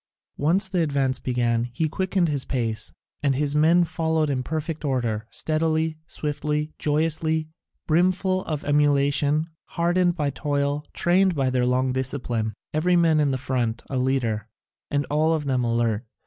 Once the advance began he quickened the pace, and his men followed in perfect order, steadily, swiftly, joyously, brimful of emulation, hardened by toil, trained by their long discipline, every man in the front a leader, and all of them alert.